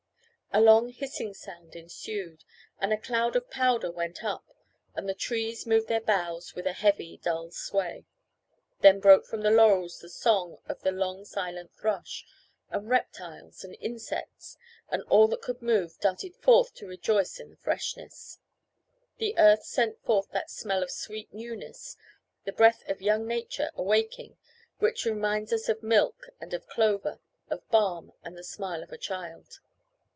A long hissing sound ensued, and a cloud of powder went up, and the trees moved their boughs with a heavy dull sway. Then broke from the laurels the song of the long silent thrush, and reptiles, and insects, and all that could move, darted forth to rejoice in the freshness. The earth sent forth that smell of sweet newness, the breath of young nature awaking, which reminds us of milk, and of clover, of balm, and the smile of a child.